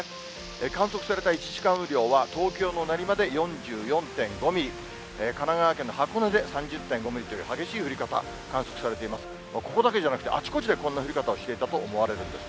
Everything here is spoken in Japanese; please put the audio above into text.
観測された１時間雨量は、東京の練馬で４４．５ミリ、神奈川県の箱根で３０．５ミリという激しい降り方、観測されています。